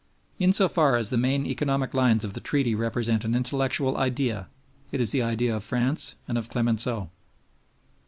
In so far as the main economic lines of the Treaty represent an intellectual idea, it is the idea of France and of Clemenceau.